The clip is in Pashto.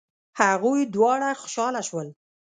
هغوی دواړه خوشحاله شول.